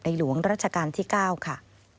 หลวงราชการที่๙ค่ะ